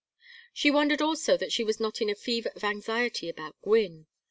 She wondered also that she was not in a fever of anxiety about Gwynne.